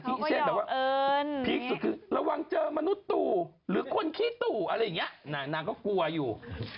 พีชสุดคือระวังเจอมนุษย์ตู่หรือคนคี้ตู่อะไรอย่างนี้นางก็กลัวอยู่